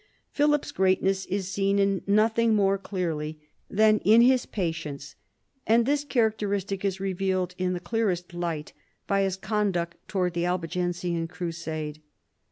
Philip's greatness is seen in nothing more clearly than in his patience, and this characteristic is revealed in the clearest light by his conduct towards the Albigensian crusade.